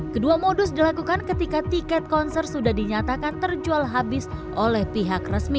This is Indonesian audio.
kedua modus dilakukan ketika tiket konser sudah dinyatakan terjual habis oleh pihak resmi